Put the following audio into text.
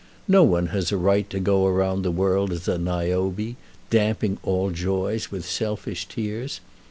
No one has a right to go about the world as a Niobe, damping all joys with selfish tears.